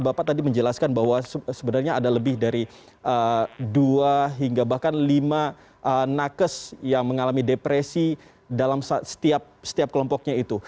bapak tadi menjelaskan bahwa sebenarnya ada lebih dari dua hingga bahkan lima nakes yang mengalami depresi dalam setiap kelompoknya itu